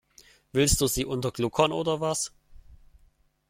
Willst du sie untergluckern oder was?